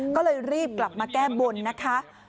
ก็เลยรีบกลับมาแก้บนนะคะ